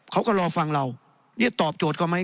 เขาก็รอฟังเราเนี่ยตอบโจทย์เขาไหม